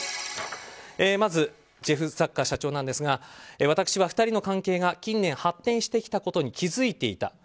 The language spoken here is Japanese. まず、ジェフ・ザッカー社長なんですが私は２人の関係が近年、発展してきたことに気づいていた。